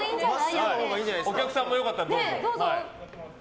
お客さんも良かったらどうぞ。